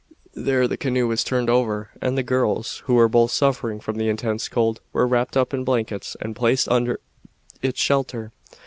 There the canoe was turned over, and the girls, who were both suffering from the intense cold, were wrapped up in blankets and placed under its shelter.